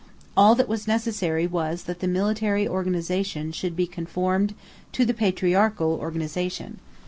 All that was necessary was that the military organization should be conformed to the patriarchal organization.